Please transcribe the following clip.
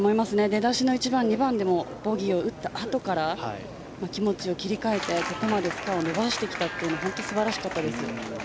出だしの１番、２番でもボギーを打ったあとから気持ちを切り替えてここまでスコアを伸ばしてきたというのは本当に素晴らしかったです。